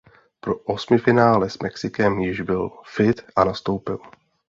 Pro osmifinále s Mexikem již byl fit a nastoupil.